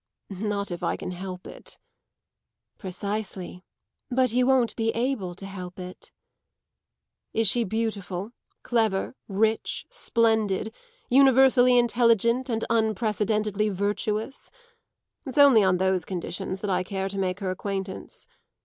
"Not if I can help it." "Precisely. But you won't be able to help it." "Is she beautiful, clever, rich, splendid, universally intelligent and unprecedentedly virtuous? It's only on those conditions that I care to make her acquaintance.